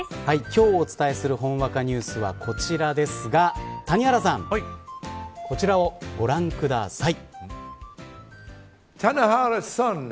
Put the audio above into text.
今日、お伝えするほんわかニュースはこちらですが谷原さんこちらをご覧ください。